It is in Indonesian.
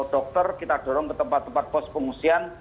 dokter kita dorong ke tempat tempat pos pengungsian